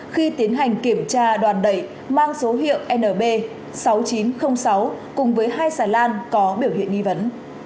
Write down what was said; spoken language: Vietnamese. khi tiến hành kiểm tra đoàn đẩy mang số hiệu nb sáu nghìn chín trăm linh sáu cùng với hai xà lan có biểu hiện nghi vấn